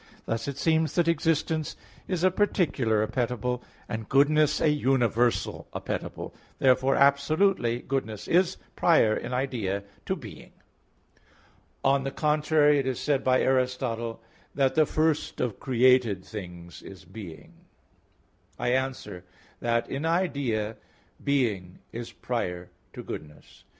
Thus it seems that existence is a particular appetible, and goodness a universal appetible. Therefore, absolutely, goodness is prior in idea to being. On the contrary, It is said by Aristotle (De Causis) that "the first of created things is being." I answer that, In idea being is prior to goodness.